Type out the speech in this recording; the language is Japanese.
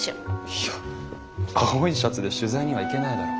いや青いシャツで取材には行けないだろ。